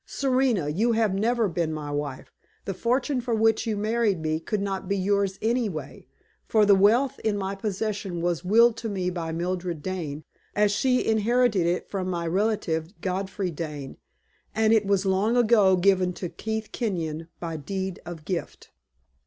Serena, you have never been my wife. The fortune for which you married me could not be yours, anyway, for the wealth in my possession was willed to me by Mildred Dane, as she inherited it from my relative, Godfrey Dane, and it was long ago given to Keith Kenyon by deed of gift."